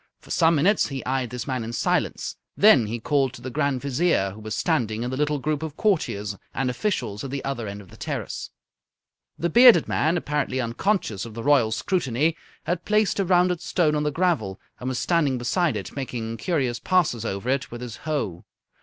For some minutes he eyed this man in silence, then he called to the Grand Vizier, who was standing in the little group of courtiers and officials at the other end of the terrace. The bearded man, apparently unconscious of the Royal scrutiny, had placed a rounded stone on the gravel, and was standing beside it making curious passes over it with his hoe.